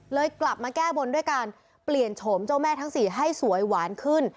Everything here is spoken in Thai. กลับมาแก้บนด้วยการเปลี่ยนโฉมเจ้าแม่ทั้งสี่ให้สวยหวานขึ้น